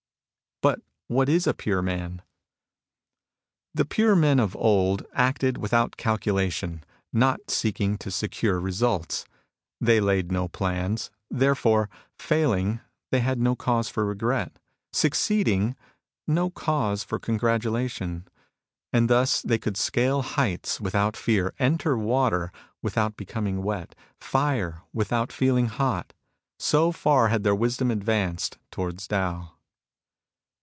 But what is a pure man ?— ^The pure men of old acted without calculation, not seeking to secure results. They laid no plans. Therefore, failing, they had no cause for regret ; succeeding, no cause for congratulation. And thus they could scale heights without fear ; enter water without becoming wet ; fire, without feeling hot. So far had their wisdom advanced towards Tao.